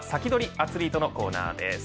アツリートのコーナーです。